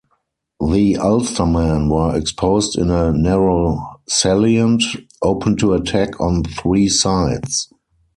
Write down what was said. The Ulstermen were exposed in a narrow salient, open to attack on three sides.